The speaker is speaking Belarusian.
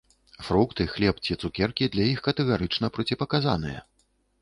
Фрукты, хлеб ці цукеркі для іх катэгарычна проціпаказаныя.